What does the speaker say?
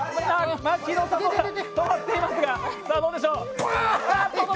牧野さんも止まっていますがどうでしょう。